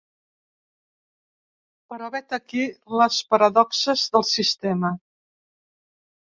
Però vet aquí les paradoxes del sistema.